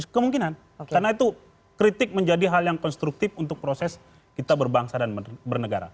kemungkinan karena itu kritik menjadi hal yang konstruktif untuk proses kita berbangsa dan bernegara